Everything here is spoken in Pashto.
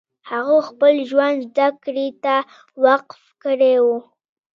هغو خپل ژوند زدکړې ته وقف کړی و